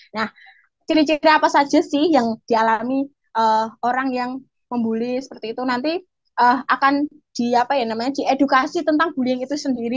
nah ciri ciri apa saja sih yang dialami orang yang membuli seperti itu nanti akan diedukasi tentang bullying itu sendiri